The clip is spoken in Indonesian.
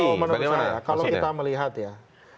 jadi kalau menurut saya kalau kita melihat ya